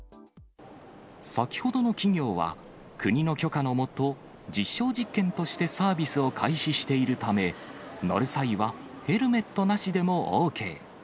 先ほどの企業は、国の許可の下、実証実験としてサービスを開始しているため、乗る際はヘルメットなしでもＯＫ。